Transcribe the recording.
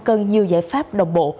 cần nhiều giải pháp đồng bộ